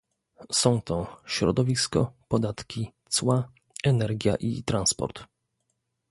Są to środowisko, podatki, cła, energia i transport